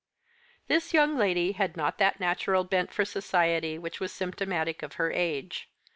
This young lady had not that natural bent for society which is symptomatic of her age.